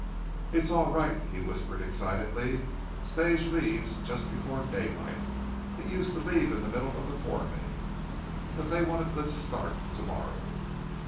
"It's all right," he whispered, excitedly. "Stage leaves just before daylight. It used to leave in the middle of the fore noon. But they want a good start to morrow."